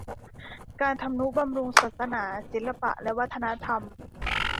การทำนุบำรุงศาสนา ศิลปะและวัฒนธรรม